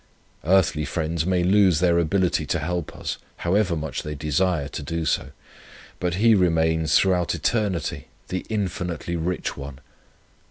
Earthly friends may lose their ability to help us, however much they desire so to do; but He remains throughout eternity the infinitely Rich One.